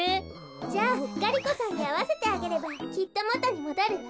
じゃあガリ子さんにあわせてあげればきっともとにもどるわ。